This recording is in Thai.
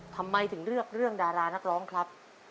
ทำไมถึงเลือกเรื่องดารานักร้องครับ